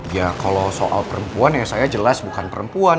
ya kalau soal perempuan ya saya jelas bukan perempuan